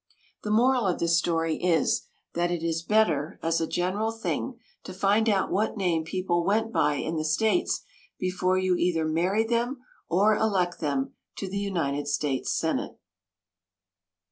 The moral of this story is, that it is better, as a general thing, to find out what name people went by in the States before you either marry them or elect them to the United States senate.